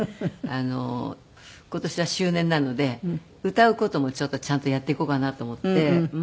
今年は周年なので歌う事もちょっとちゃんとやっていこうかなと思って。